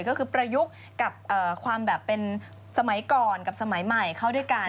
ก็คือประยุกต์กับความแบบเป็นสมัยก่อนกับสมัยใหม่เข้าด้วยกัน